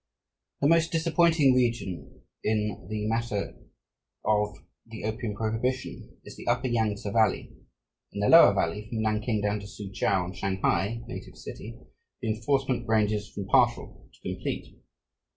The most disappointing region in the matter of the opium prohibition is the upper Yangtse Valley. In the lower valley, from Nanking down to Soochow and Shanghai (native city), the enforcement ranges from partial to complete.